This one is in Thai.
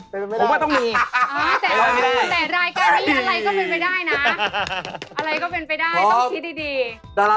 เป็นไปไม่ได้นะครับ